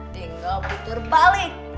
tinggal puter balik